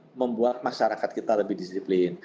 untuk membuat masyarakat kita lebih disiplin